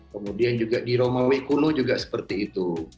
kemudian juga di roma wekulu juga seperti itu